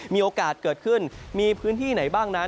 มีโอกาสเกิดขึ้นมีพื้นที่ไหนบ้างนั้น